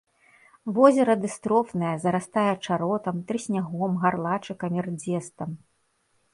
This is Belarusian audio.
Возера дыстрофнае, зарастае чаротам, трыснягом, гарлачыкамі, рдзестам.